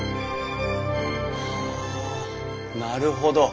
はあなるほど。